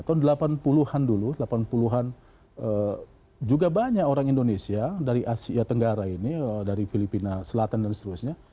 tahun delapan puluh an dulu delapan puluh an juga banyak orang indonesia dari asia tenggara ini dari filipina selatan dan seterusnya